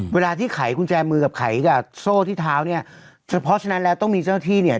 เวลาที่ไขกุญแจมือกับไขกับโซ่ที่เท้าเนี่ยเฉพาะฉะนั้นแล้วต้องมีเจ้าที่เนี่ย